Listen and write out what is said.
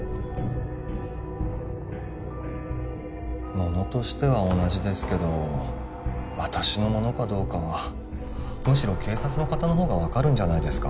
ものとしては同じですけど私のものかどうかはむしろ警察の方の方が分かるんじゃないですか